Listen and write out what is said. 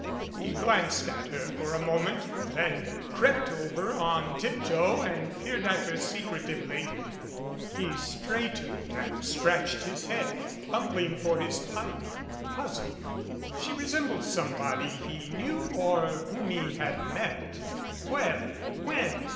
He glanced at her for a moment, then crept over on tip toe and peered at her secretively. He straightened and 33 ^ MADCAP scratched his head, fumbling for his pipe, puzzled. She resembled somebody he knew or whom he had met. Where ? When?